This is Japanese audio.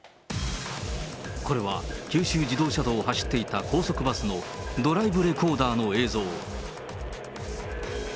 これは九州自動車道を走っていた高速バスのドライブレコーダーの映像。